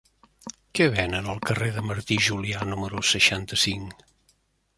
Què venen al carrer de Martí i Julià número seixanta-cinc?